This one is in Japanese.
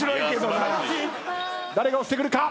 誰が押してくるか。